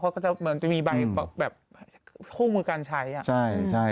เขาก็จะเหมือนจะมีใบแบบโภคมือการใช้